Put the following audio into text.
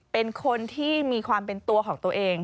เป็นคนที่มีความเป็นตัวของตัวเอง